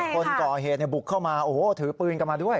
คนก่อเหตุบุกเข้ามาถือปืนกลับมาด้วย